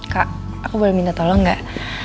kak aku boleh minta tolong gak